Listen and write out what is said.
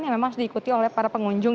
yang memang diikuti oleh para pengunjung